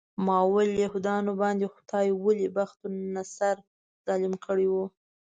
ما وویل یهودانو باندې خدای ولې بخت النصر ظالم کړی و.